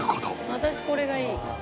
私これがいい。